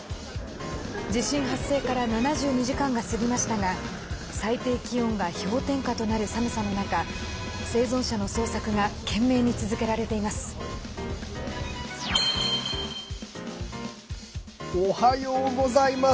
地震発生から７２時間が過ぎましたが最低気温が氷点下となる寒さの中生存者の捜索が懸命に続けられています。